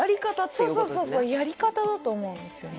そうそうそうそうやり方だと思うんですよね